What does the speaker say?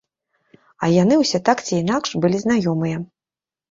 А яны ўсе так ці інакш былі знаёмыя.